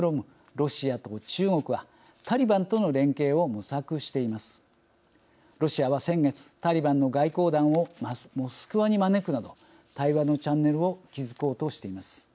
ロシアは先月タリバンの外交団をモスクワに招くなど対話のチャンネルを築こうとしています。